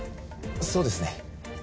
そうですね。